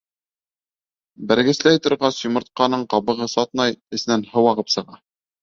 Бәргесләй торғас, йомортҡаның ҡабығы сатнай, эсенән һыу ағып сыға.